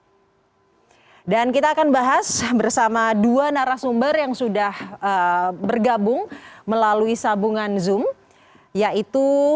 hai dan kita akan bahas bersama dua narasumber yang sudah bergabung melalui sabungan zoom yaitu